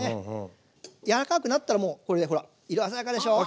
やわらかくなったらもうこれでほら色鮮やかでしょう？